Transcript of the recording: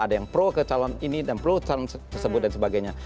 ada yang pro ke calon ini dan pro calon tersebut dan sebagainya